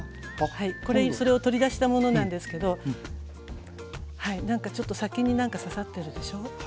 これそれを取り出したものなんですけど何かちょっと先に何か刺さってるでしょう？